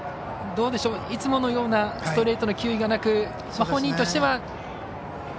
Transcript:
どうでしょう、いつものようなストレートの球威がなく本人としては。